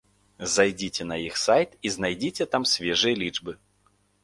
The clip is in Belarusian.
Зайдзіце на іх сайт і знайдзіце там свежыя лічбы.